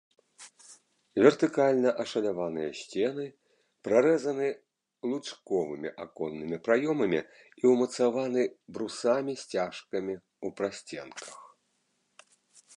Вертыкальна ашаляваныя сцены прарэзаны лучковымі аконнымі праёмамі і ўмацаваны брусамі-сцяжкамі ў прасценках.